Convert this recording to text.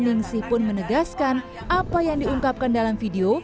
ning si pun menegaskan apa yang diungkapkan dalam video